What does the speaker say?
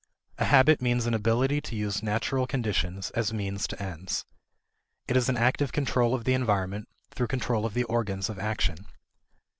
A habit means an ability to use natural conditions as means to ends. It is an active control of the environment through control of the organs of action.